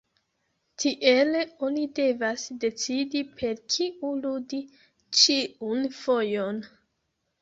Tiele oni devas decidi per kiu ludi ĉiun fojon.